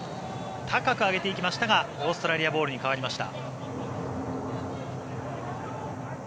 高く上げていきましたがオーストラリアボールに変わりました。